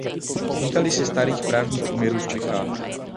Týkaly se starých právních poměrů v Čechách.